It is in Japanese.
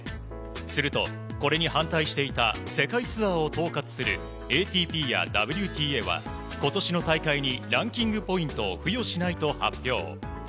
すると、これに反対していた世界ツアーを統括するＡＴＰやＷＴＡは今年の大会にランキングポイントを付与しないと発表。